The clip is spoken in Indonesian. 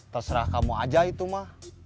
terserah kamu aja itu mah